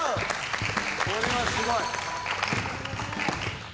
これはすごい。